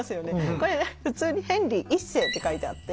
これ普通に「ヘンリー一世」って書いてあって。